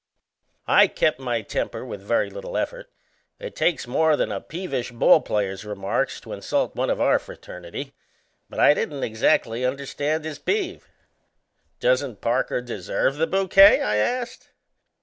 I kept my temper with very little effort it takes more than a peevish ball player's remarks to insult one of our fraternity; but I didn't exactly understand his peeve. "Doesn't Parker deserve the bouquet?" I asked.